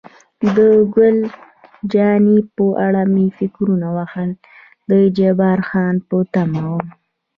د ګل جانې په اړه مې فکرونه وهل، د جبار خان په تمه وم.